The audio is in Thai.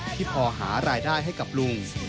ที่พอหารายได้ให้กับลุง